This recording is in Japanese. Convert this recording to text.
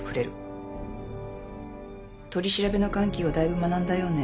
取り調べの緩急をだいぶ学んだようね。